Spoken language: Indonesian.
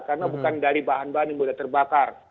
karena bukan dari bahan bahan yang mudah terbakar